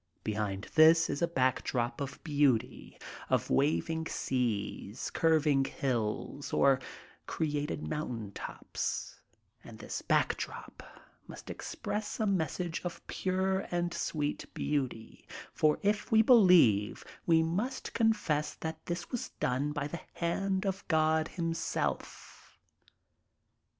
Behind this is a back drop of beauty, of waving seas, curving hills, or crested mountain tops, and this back drop must ex press a message of pure and sweet beauty, for if we believe, we must confess that this was done by the hand of God himself.